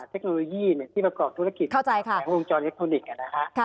เทคโนโลยีเนี่ยที่ประกอบธุรกิจโรงจอยอิกโตนิกแนะครับ